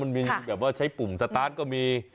มีแบบว่าใช้ปุ่มสตาร์ทก็มี